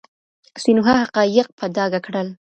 سینوهه حقایق په ډاګه کړل.